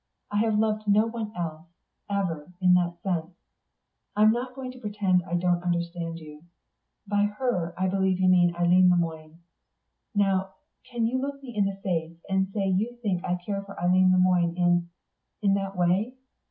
I have loved no one else, ever, in that sense.... I'm not going to pretend I don't understand you. By 'her' I believe you mean Eileen Le Moine. Now can you look me in the face and say you think I care for Eileen Le Moine in in that way?